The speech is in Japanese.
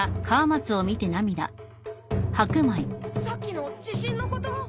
さっきの地震のこと？